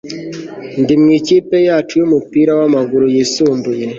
Ndi mu ikipe yacu yumupira wamaguru yisumbuye